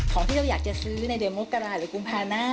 ของเราอยากจะซื้อในเดือนมกราหรือกุมภาหน้า